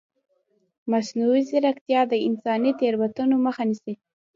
مصنوعي ځیرکتیا د انساني تېروتنو مخه نیسي.